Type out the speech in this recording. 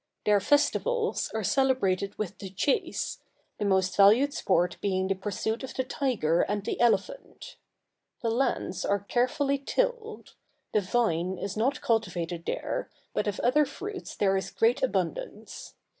Their festivals are celebrated with the chase, the most valued sports being the pursuit of the tiger and the elephant. The lands are carefully tilled; the vine is not cultivated there, but of other fruits there is great abundance.